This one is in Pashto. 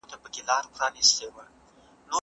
مشاورین د هغه سره وو.